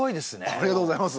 ありがとうございます。